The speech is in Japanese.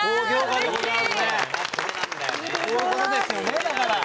そういうことですよねだから。